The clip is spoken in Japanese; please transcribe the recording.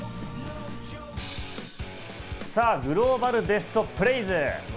グローバルベストプレイズ。